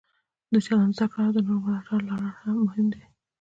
د چلند زده کړه او د نورو ملاتړ لرل یې مهم دي.